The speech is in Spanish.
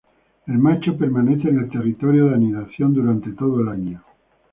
El macho permanece en el territorio de anidación durante todo el año.